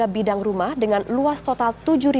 bidang rumah dengan luas total